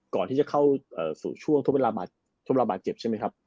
ก่อนที่จะเข้าสู่ช่วงระบาดเจ็บใช่ไหมครับ